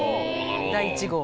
第１号。